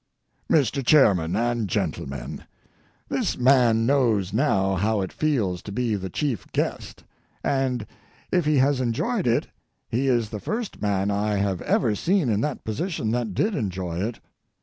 MR. CHAIRMAN AND GENTLEMEN,—This man knows now how it feels to be the chief guest, and if he has enjoyed it he is the first man I have ever seen in that position that did enjoy it.